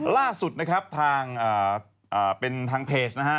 ล่าสุดนะครับทางเป็นทางเพจนะฮะ